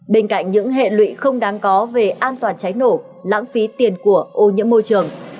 bên cạnh những hệ lụy không đáng có về an toàn cháy nổ lãng phí tiền của ô nhiễm môi trường